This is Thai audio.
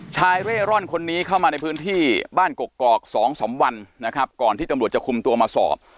เร่ร่อนคนนี้เข้ามาในพื้นที่บ้านกกอกสองสามวันนะครับก่อนที่ตำรวจจะคุมตัวมาสอบ